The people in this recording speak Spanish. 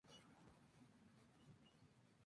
Antonio Zanini, piloto de rally español.